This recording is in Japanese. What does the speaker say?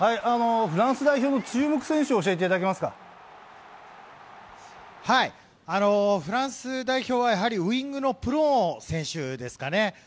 フランス代表の注目選手を教フランス代表は、ウイングのプノー選手ですかね。